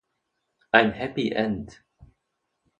Ein Happy-End.